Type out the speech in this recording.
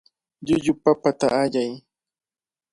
Llullu papata allay.